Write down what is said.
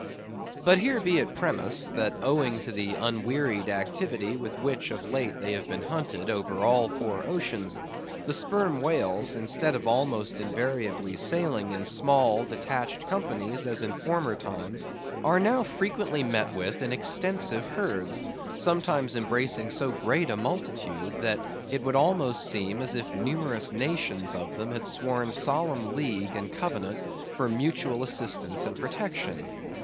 But here be it premised, that owing to the unwearied activity with which of late they have been hunted over all four oceans, the Sperm Whales, instead of almost invariably sailing in small detached companies, as in former times, are now frequently met with in extensive herds, sometimes embracing so great a multitude, that it would almost seem as if numerous nations of them had sworn solemn league and covenant for mutual assistance and protection.